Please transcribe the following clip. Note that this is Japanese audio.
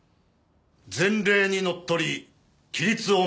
前例にのっとり規律を守る。